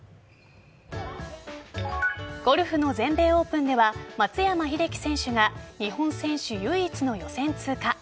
ゴルフの全米オープンでは松山英樹選手が日本選手唯一の予選通過。